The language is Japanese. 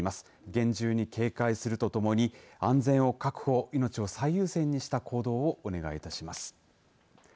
厳重に警戒するとともに安全を確保命を最優先にした行動をお願いいたします。